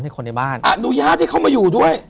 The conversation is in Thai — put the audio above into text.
คนในบ้านอนุญาตให้เขามาอยู่ด้วย